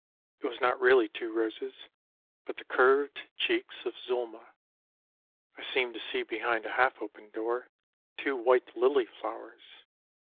It was not really two roses But the curved cheeks of Zulma. I seemed to see behind a half 'Opened door Two white lily flowers.